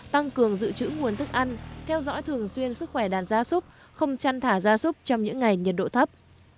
tăng cường dự trữ nguồn thức ăn theo dõi thường xuyên sức khỏe đàn gia súc không chăn thả ra súc trong những ngày nhiệt độ thấp